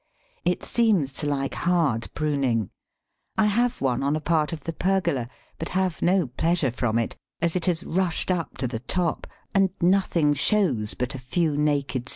It seems to like hard pruning. I have one on a part of the pergola, but have no pleasure from it, as it has rushed up to the top, and nothing shows but a few naked stems.